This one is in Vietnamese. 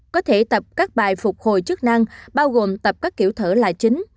có thể tập các bài phục hồi chức năng bao gồm tập các kiểu thở là chính